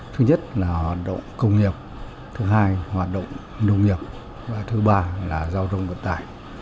thứ nhất là hoạt động công nghiệp thứ hai hoạt động nông nghiệp và thứ ba là giao thông vận tải